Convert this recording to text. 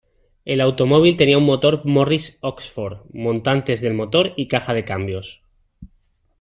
El automóvil tenía un motor Morris Oxford, montantes del motor y caja de cambios.